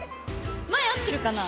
前合ってるかな？